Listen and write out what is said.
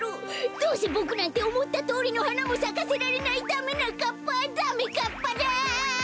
どうせボクなんておもったとおりのはなもさかせられないダメなかっぱダメかっぱだ！